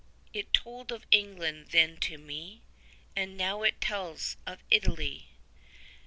It told of England then to me, And now it tells of Italy.